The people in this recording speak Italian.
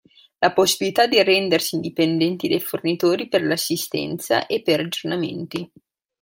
La possibilità di rendersi indipendenti dai fornitori per l'assistenza e per aggiornamenti.